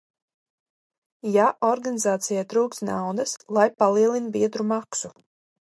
Ja organizācijai trūkst naudas, lai palielina biedru maksu.